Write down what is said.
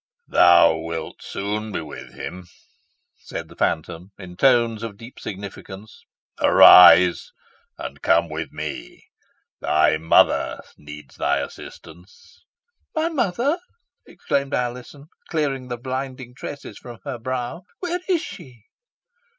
"Thou wilt soon be with him," said the phantom, in tones of deep significance. "Arise, and come with me. Thy mother needs thy assistance." "My mother!" exclaimed Alizon, clearing the blinding tresses from her brow. "Where is she?"